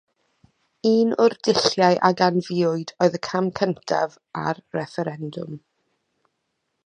Un o'r dulliau a ganfuwyd oedd y cam cyntaf a'r refferendwm.